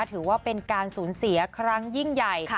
ถือว่าเป็นการสูญเสียครั้งยิ่งใหญ่